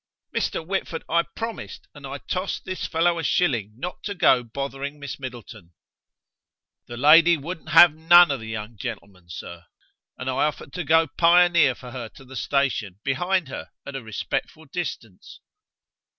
"Mr. Whitford, I promised, and I tossed this fellow a shilling not to go bothering Miss Middleton." "The lady wouldn't have none o" the young gentleman, sir, and I offered to go pioneer for her to the station, behind her, at a respectful distance."